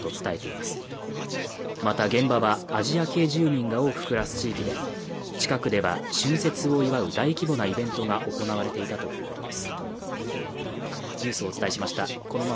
また現場は、アジア系住民が多く暮らす地域で近くでは春節を祝う大規模なイベントが行われていたということです。